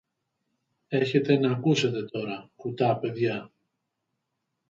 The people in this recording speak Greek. Έχετε ν' ακούσετε τώρα, κουτά παιδιά.